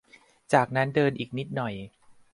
จากนั่นเดินอีกนิดหน่อย